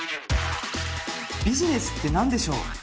ビジネスって何でしょう？